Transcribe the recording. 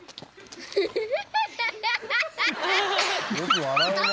よく笑うね。